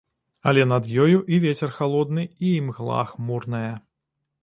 Але над ёю і вецер халодны, і імгла хмурная.